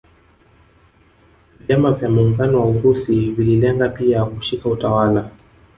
Vyama vya muungano wa Urusi vililenga pia kushika utawala